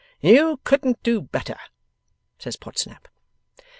'You couldn't do better,' says Podsnap.